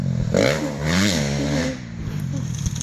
আমাকে এখান থেকে বের হতে দাও!